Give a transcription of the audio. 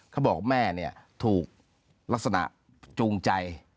เขาบอกแม่เนี่ยถูกลักษณะจูงใจ